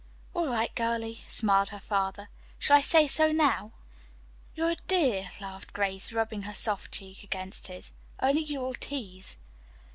"All right, girlie," smiled her father. "Shall I say so, now?" "You're a dear," laughed Grace, rubbing her soft cheek against his. "Only you will tease."